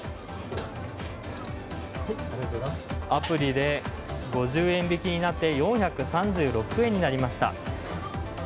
アプリで５０円引きになって４３６円になりました。